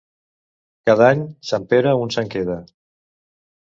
Cada any, Sant Pere un se'n queda.